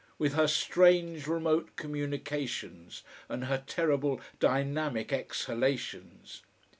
With her strange, remote communications and her terrible dynamic exhalations.